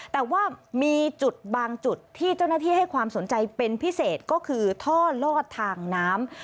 แต่ว่ามีจุดบางจุดที่เจ้าหน้าที่ให้ความสนใจเป็นพิเศษก็คือท่อลอดทางน้ำ